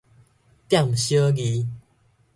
店小二